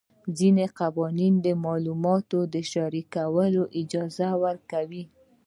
ځینې قوانین د معلوماتو شریکولو اجازه ورکوي.